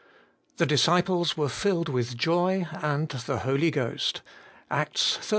'The disciples were filled with joy and the Holy Ghost.' ACTS xiii.